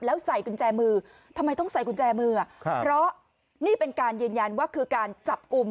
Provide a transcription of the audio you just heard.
แล้วใส่กุญแจมือทำไมต้องใส่กุญแจมือครับเพราะนี่เป็นการยืนยันว่าคือการจับกลุ่ม